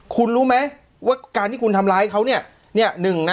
คุณรู้ไหมว่าการที่คุณทำร้ายเขาเนี่ยหนึ่งนะ